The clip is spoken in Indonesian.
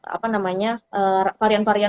apa namanya varian varian